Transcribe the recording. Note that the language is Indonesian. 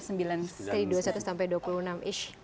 jadi dua puluh satu sampai dua puluh enam ish